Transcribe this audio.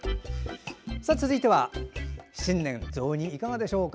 続いて、新年は雑煮いかがでしょうか。